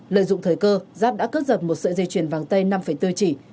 lợi dụng thời cơ giáp đã cướp giật một sợi dây chuyền vàng tây năm bốn chỉ